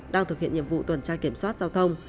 đang thực hiện nhiệm vụ tuần tra kiểm soát giao thông